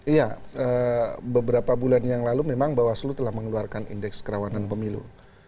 iya beberapa bulan yang lalu memang bawaslu telah mengeluarkan indeks kerawanan pemilu